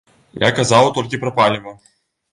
Я казаў толькі пра паліва!